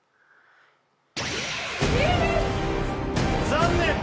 残念！